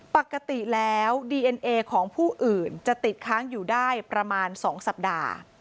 ปกติแล้วดีเอ็นเอของผู้อื่นจะติดค้างอยู่ได้ประมาณ๒สัปดาห์